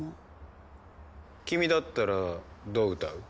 君だったらどう歌う？